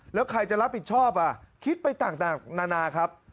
แล้วใครจะรับผิดชอบคิดไปต่างนานาครับ